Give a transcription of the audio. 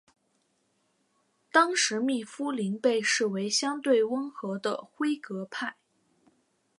当时密夫林被视为相对温和的辉格派。